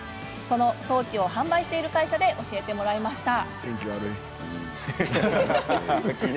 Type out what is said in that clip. この装置を販売している会社で教えてもらいました。